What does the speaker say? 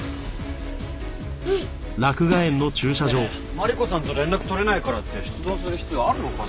うん！ねえマリコさんと連絡取れないからって出動する必要あるのかな？